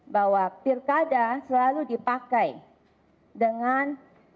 bahwa pilkada selalu dipakai dengan